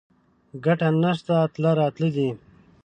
ګټه نشته تله راتله دي